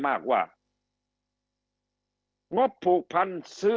คำอภิปรายของสอสอพักเก้าไกลคนหนึ่ง